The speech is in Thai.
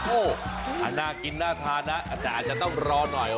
โอ้โหน่ากินน่าทานนะแต่อาจจะต้องรอหน่อย